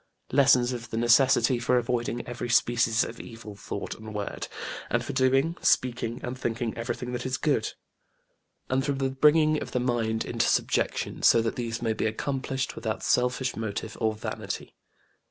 Lessons of the necessity for avoiding every species of evil thought and word, and for doing, speaking and thinking everything that is good, and for the bringing of the mind into subjection so that these may be accomplished without selfish motive or vanity.